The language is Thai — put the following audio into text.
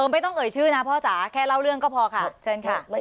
ไม่ต้องเอ่ยชื่อนะพ่อจ๋าแค่เล่าเรื่องก็พอค่ะเชิญค่ะ